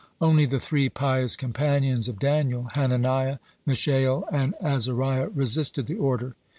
Only the three pious companions of Daniel, Hananiah, Mishael, and Azariah, resisted the order.